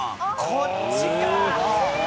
「こっちか！」